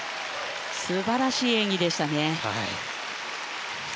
素晴らしい演技でしたね。